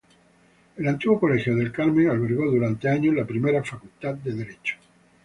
El antiguo colegio del Carmen albergó durante años la primera Facultad de Derecho.